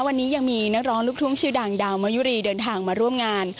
วันนี้ยังมีนักร้องลูกทุ่งชื่อดังดาวมะยุรีเดินทางมาร่วมงาน